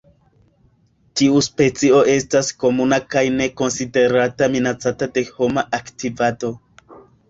Tiu specio estas komuna kaj ne konsiderata minacata de homa aktivado.